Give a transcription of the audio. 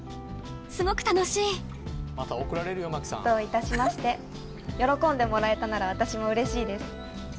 すごく楽しいどういたしまして喜んでもらえたなら私も嬉しいです